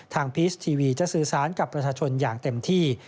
พีชทีวีจะสื่อสารกับประชาชนอย่างเต็มที่